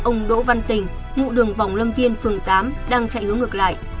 ông đỗ văn tình ngụ đường vòng lâm viên phường tám đang chạy hướng ngược lại